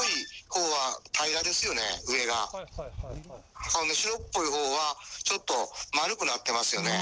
ほんで白っぽいほうはちょっと丸くなってますよね。